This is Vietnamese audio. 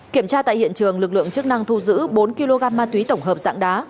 kiểm tra tại hiện trường lực lượng chức năng thu giữ bốn kg ma túy tổng hợp dạng đá